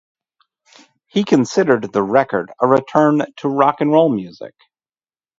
He considered the record a return to rock and roll music.